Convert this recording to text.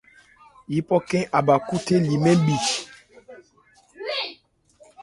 Yípɔ khɛ́n a bha khúthé li mɛn bhi.